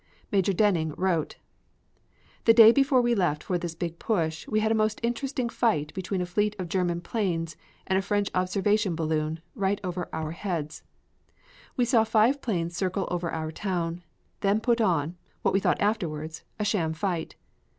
Major Denig wrote: The day before we left for this big push we had a most interesting fight between a fleet of German planes and a French observation balloon, right over our heads. We saw five planes circle over our town, then put on, what we thought afterwards, a sham fight.